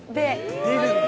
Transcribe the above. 出るんだ！